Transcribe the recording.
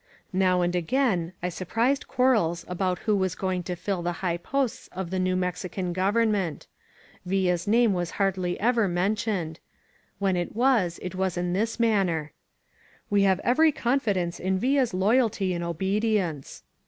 Now and again I surprised quarrels about who was go ing to fill the high posts of the new Mexican Govern ment. Villa's name was hardly ever mentioned; when it was it was in this manner: *'We have every confidence in Villa's loyalty and obedience."